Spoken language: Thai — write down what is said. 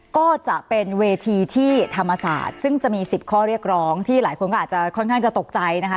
ก็จะเป็นเวทีที่ธรรมศาสตร์ซึ่งจะมี๑๐ข้อเรียกร้องที่หลายคนก็อาจจะค่อนข้างจะตกใจนะคะ